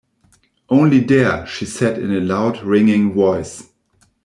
“Only dare!” she said in a loud, ringing voice.